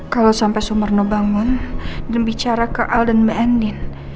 kalau sampai sumarno bangun dan bicara ke alden meendin